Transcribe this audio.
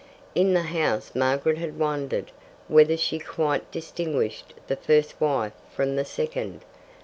In the house Margaret had wondered whether she quite distinguished the first wife from the second.